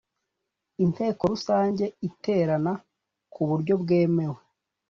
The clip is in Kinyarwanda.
inteko rusange iterana ku buryo bwemewe